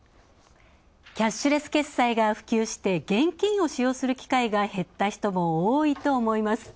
キャッシュレス決済が普及して現金を使用する機会が減った人も多いと思います。